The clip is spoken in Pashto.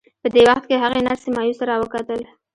په دې وخت کې هغې نرسې مایوسه را وکتل